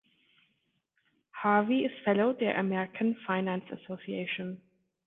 Harvey ist Fellow der American Finance Association.